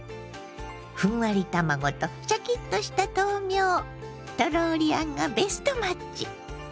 ふんわり卵とシャキッとした豆苗トローリあんがベストマッチ。